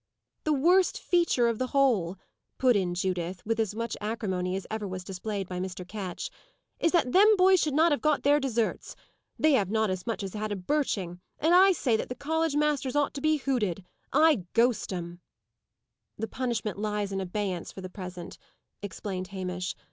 "The worst feature of the whole," put in Judith, with as much acrimony as ever was displayed by Mr. Ketch, "is that them boys should not have got their deserts. They have not as much as had a birching; and I say that the college masters ought to be hooted. I'd 'ghost' 'em!" "The punishment lies in abeyance for the present," explained Hamish.